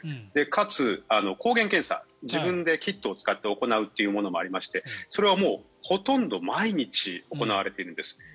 かつ、抗原検査自分でキットを使って行うというものもありましてそれはほとんど毎日行われているんです。